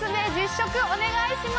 食お願いします。